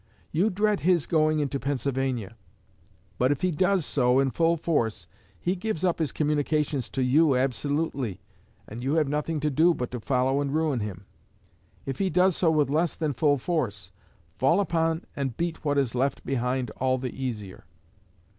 You dread his going into Pennsylvania. But if he does so in full force, he gives up his communications to you absolutely, and you have nothing to do but to follow and ruin him; if he does so with less than full force, fall upon and beat what is left behind all the easier.